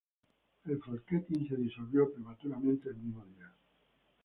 El Folketing se disolvió prematuramente el mismo día.